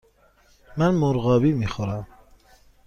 من مرغابی می خورم.